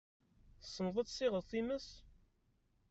Tessneḍ ad tessiɣeḍ times?